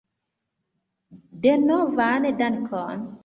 Denovan dankon.